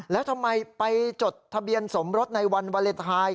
แล้วทำไมไปจดทะเบียนสมรสในวันวาเลนไทย